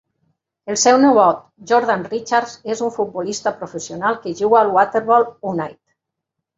El seu nebot, Jordan Richards, és un futbolista professional que juga al Hartlepool United.